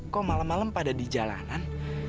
kok malem malem pada di jalanan